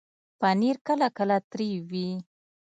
پنېر کله کله تریو وي.